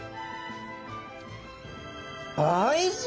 おいしい！